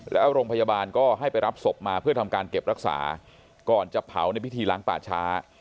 แล้วโรงพยาบาลก็ให้ไปรับศพมาเพื่อทำการเก็บรักษาก่อนจะเผาในพิธีล้างป่าช้า